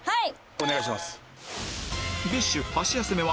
お願いします。